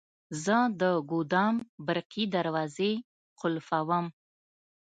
زه د ګودام برقي دروازې قلفووم.